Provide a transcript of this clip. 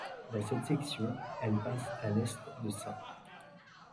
Dans cette section, elle passe à l'est de St.